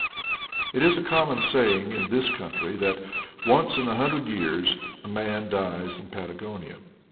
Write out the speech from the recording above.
It is a common saying in this country that "once in a hundred years, a man dies in Patagonia."